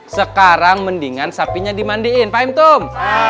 sekarang mendingan sapinya dimandiin paham tum